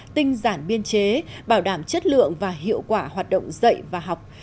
tinh giản biên chế bảo đảm chất lượng và hiệu quả hoạt động dạy và học